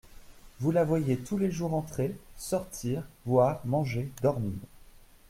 Vous la voyez tous les jours entrer, sortir, boire, manger, dormir.